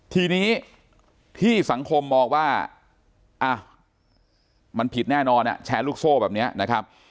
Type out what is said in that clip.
ทีนี้ที่สังคมมองว่ามันผิดแน่นอนแชร์ลูกโซ่แบบนี้นะครับ